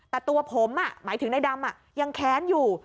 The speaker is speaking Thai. แต่ตัวผมหมายถึงในดำยังแค้นอยู่